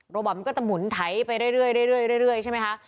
บอตมันก็จะหมุนไถไปเรื่อยใช่ไหมคะ